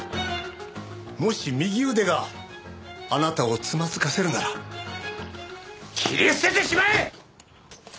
もし右腕があなたをつまずかせるなら切り捨ててしまえ！